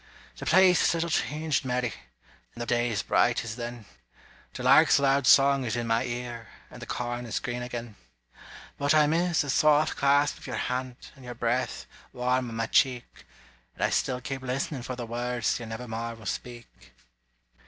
The place is little changed, Mary; The day is bright as then; The lark's loud song is in my ear, And the corn is green again; But I miss the soft clasp of your hand, And your breath, warm on my cheek; And I still keep list'nin' for the words You nevermore will speak.